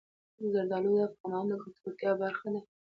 زردالو د افغانانو د ګټورتیا برخه ده.